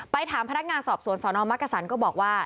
ถามพนักงานสอบสวนสนมักกษันก็บอกว่า